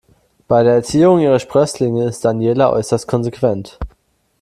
Bei der Erziehung ihrer Sprösslinge ist Daniela äußerst konsequent.